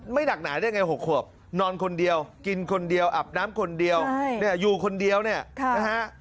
หนักหนาได้ไง๖ขวบนอนคนเดียวกินคนเดียวอาบน้ำคนเดียวเนี่ยอยู่คนเดียวเนี่ยนะฮะ